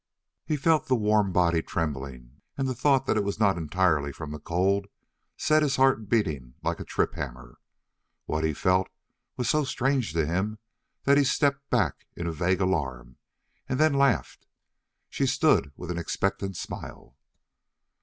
He felt the warm body trembling, and the thought that it was not entirely from the cold set his heart beating like a trip hammer. What he felt was so strange to him that he stepped back in a vague alarm, and then laughed. She stood with an expectant smile.